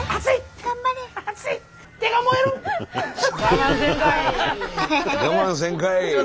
「我慢せんかい」。